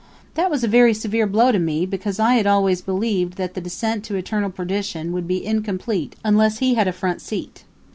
That was a very severe blow to me, because I had always believed that the descent to eternal perdition would be incomplete unless he had a front seat.